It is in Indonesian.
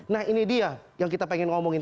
nah ini dia yang kita pengen ngomongin